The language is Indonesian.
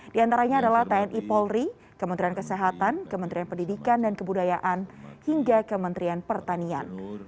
di antaranya adalah tni polri kementerian kesehatan kementerian pendidikan dan kebudayaan hingga kementerian pertanian